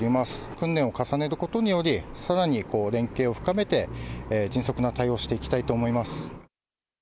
訓練を重ねることにより、さらに連携を深めて、迅速な対応していきたいと思います。